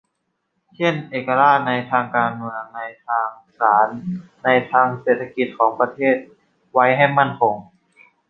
เช่น เอกราชในทางการเมือง ในทางศาล ในทางเศรษฐกิจ ของประเทศไว้ให้มั่นคง